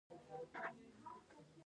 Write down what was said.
دوی ټول یو له بل سره مرسته او همکاري کوي.